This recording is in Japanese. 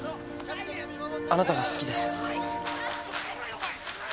あなたが好きです。